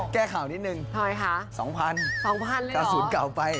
แก้ข่าวนิดหนึ่งใช่ไหมค่ะ๒๐๐๐อาหารยุค๙๐เก่าไป๒๐๐๐หรือเหรอ